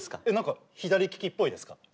何か左利きっぽいですか？